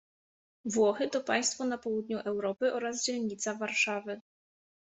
Włochy to państwo na południu Europy oraz dzielnica Warszawy.